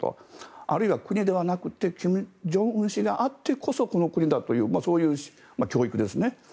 あるいは国ではなくて金正恩氏があってこそのこの国だというそういう教育ですね。